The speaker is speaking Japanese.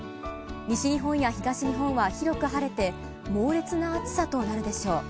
西日本や東日本は広く晴れて、猛烈な暑さとなるでしょう。